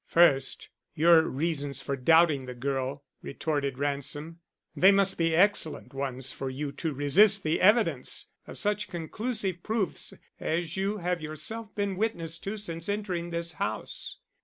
"First, your reasons for doubting the girl," retorted Ransom. "They must be excellent ones for you to resist the evidence of such conclusive proofs as you have yourself been witness to since entering this house.